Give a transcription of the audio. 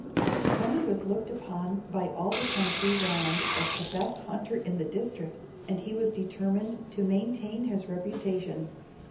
Toni was looked upon by all the country round as the best hunter in the district, and he was determined to maintain his reputation.